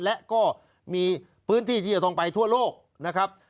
และก็มีพื้นที่ที่จะต้องไปทั่วโลกนะครับ